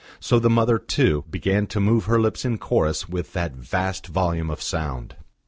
So the mother, too, began to move her lips in chorus with that vast volume of sound.